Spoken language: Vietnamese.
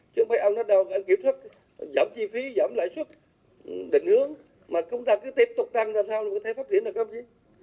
chúng bây giờ nó đâu có kiểu thức giảm chi phí giảm lợi xuất định hướng mà chúng ta cứ tiếp tục tăng ra sao thì có thể phát triển được không chứ